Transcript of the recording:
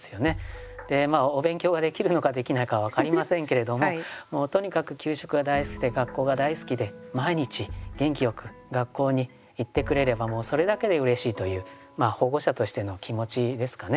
お勉強ができるのかできないかは分かりませんけれどももうとにかく給食が大好きで学校が大好きで毎日元気よく学校に行ってくれればもうそれだけでうれしいという保護者としての気持ちですかね。